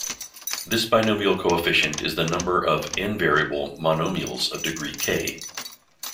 This binomial coefficient is the number of "n"-variable monomials of degree "k".